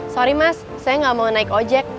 sorry mas saya nggak mau naik ojek